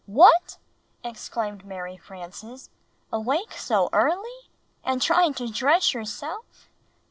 "What!" exclaimed Mary Frances. "Awake so early — and trying to dress yourself?